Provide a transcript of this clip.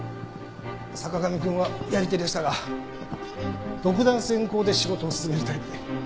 坂上くんはやり手でしたが独断専行で仕事を進めるタイプで。